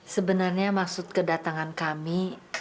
sebenarnya maksud kedatangan kami